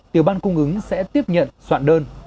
tiểu ban cung ứng sẽ tiếp nhận soạn đơn